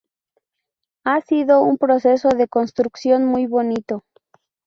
Ha sido un proceso de construcción muy bonito